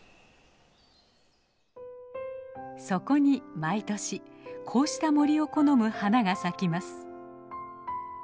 そこに毎年こうした森を好む花が咲きます。